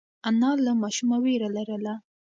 انا له ماشومه وېره لرله.